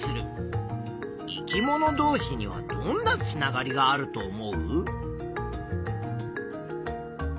生き物どうしにはどんなつながりがあると思う？